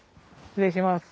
失礼します。